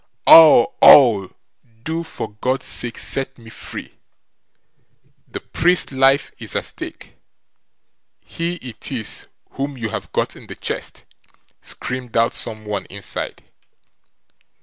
"Au! Au! do for God's sake set me free. The priest's life is at stake; he it is whom you have got in the chest", screamed out some one inside.